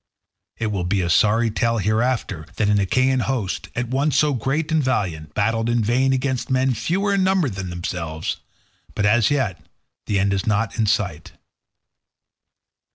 It will be a sorry tale hereafter that an Achaean host, at once so great and valiant, battled in vain against men fewer in number than themselves; but as yet the end is not in sight.